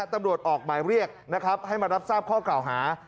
ตำรวจออกหมายเรียกนะครับให้มารับทราบข้อกล่าวหา